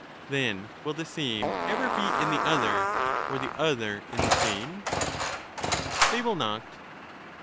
Then will the same ever be in the other, or the other in the same ? They will not.